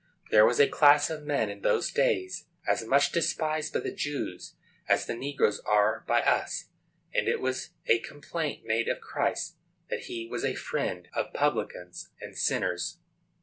There was a class of men in those days as much despised by the Jews as the negroes are by us; and it was a complaint made of Christ that he was a friend of publicans and sinners.